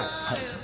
はい。